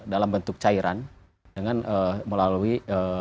dalam bentuk cairan dengan melalui